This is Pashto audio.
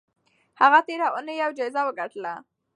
هغې تېره اونۍ یوه جایزه وګټله.